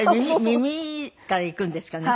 耳からいくんですかね？